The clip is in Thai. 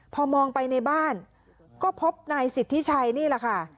พอมองไปในบ้านก็พบนายสิทธิชัยนี่แหละค่ะ